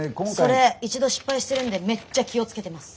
それ一度失敗してるんでめっちゃ気を付けてます。